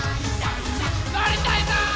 「のりたいぞ！」